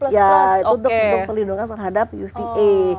ya itu untuk pelindungan terhadap uca